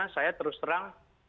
saya terus terang